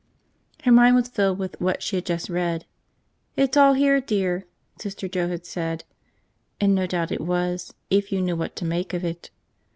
Her mind was filled with what she had just read. "It's all here, dear," Sister Joe had said. And no doubt it was, if you knew what to make of it.